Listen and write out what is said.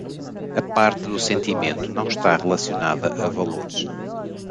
A parte do sentimento não está relacionada a valores